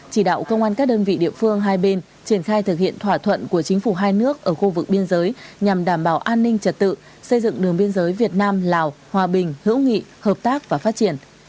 chỉ đạo công an các đơn vị địa phương hai bên triển khai thực hiện thỏa thuận của chính phủ hai nước ở khu vực biên giới nhằm đảm bảo an ninh trật tự xây dựng đường biên giới việt nam lào hòa bình hữu nghị hợp tác và phát triển